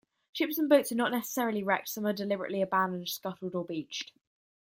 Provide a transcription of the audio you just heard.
Ships and boats are not necessarily wrecked: some are deliberately abandoned, scuttled or beached.